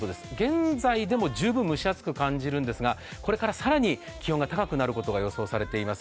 現在でも十分蒸し暑く感じるんですがこれから更に気温が高くなることが予想されています。